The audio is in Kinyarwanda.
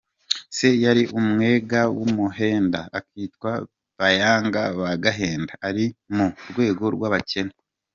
Se yari umwega w'umuhenda, akitwa Banyaga ba Gahenda, ari mu rwego rw'abakene.